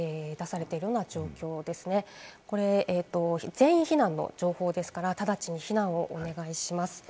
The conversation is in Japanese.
全避難の情報ですから、ただちに避難をお願いします。